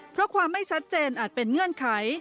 เพราะความไม่ชัดเจนอาจเป็นเงื่อนไข